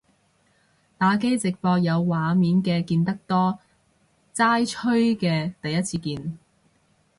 打機直播有畫面嘅見得多，齋吹嘅第一次見